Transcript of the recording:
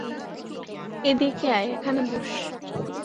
এদিকে আয়, এখানে বোস্।